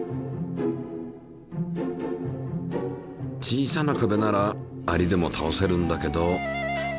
小さな壁ならアリでもたおせるんだけど。